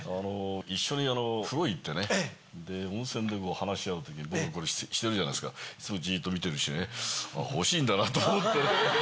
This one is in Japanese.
一緒に風呂行って温泉で話し合う時に僕がこれしてるじゃないですかすごいジっと見てるしね。と思って。